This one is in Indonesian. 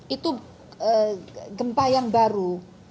itu gempa yang baru